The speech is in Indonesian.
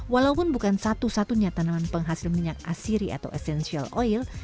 walaupun bukan satu satunya tanaman penghasil minyak asiri atau essential oil